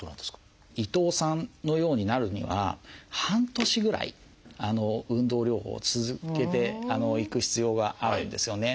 伊藤さんのようになるには半年ぐらい運動療法を続けていく必要があるんですよね。